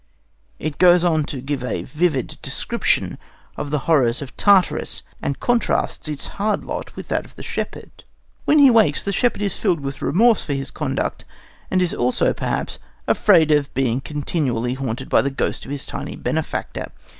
It goes on to give a lurid description of the horrors of Tartarus, and contrasts its hard lot with that of the shepherd. When he wakes, the shepherd is filled with remorse for his conduct and is also, perhaps, afraid of being continually haunted by the ghost of his tiny benefactor.